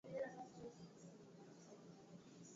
Kuwa na uhuru mutu eko na afya bora